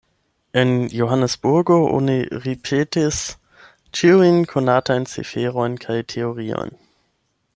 En Johanesburgo oni ripetis ĉiujn konatajn ciferojn kaj teoriojn.